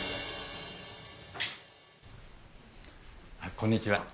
こんにちは。